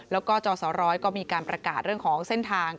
แล้วก็จอสร้อยก็มีการประกาศเรื่องของเส้นทาง